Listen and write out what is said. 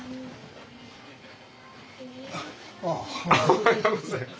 おはようございます。